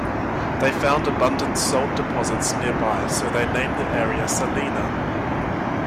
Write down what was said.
They found abundant salt deposits nearby so they named the area "Salina".